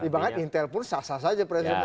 bahkan intel pun sasar saja presiden